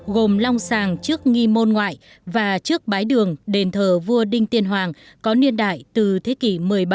gồm long sàng trước nghi môn ngoại và trước mái đường đền thờ vua đinh tiên hoàng có niên đại từ thế kỷ một mươi bảy